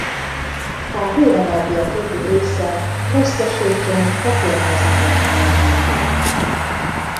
A hőenergia többi része veszteségként a környezetet melegíti.